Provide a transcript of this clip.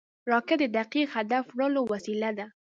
راکټ د دقیق هدف وړلو وسیله ده